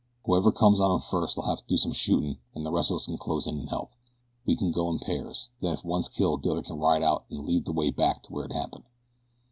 Whoever comes on 'em first'll have to do some shootin' and the rest of us can close in an' help. We can go in pairs then if one's killed the other can ride out an' lead the way back to where it happened."